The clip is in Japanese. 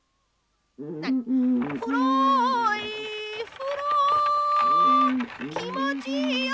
ふろふろきもちいいよ。